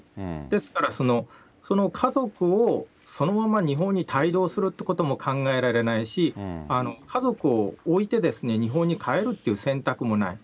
ですから、その家族をそのまま日本に帯同するっていうことも考えられないし、家族を置いて日本に帰るっていう選択もない。